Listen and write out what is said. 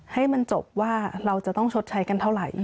ให้มันจบว่าเราจะต้องชดใช้กันเท่าไหร่